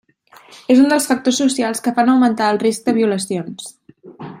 És un dels factors socials que fan augmentar el risc de violacions.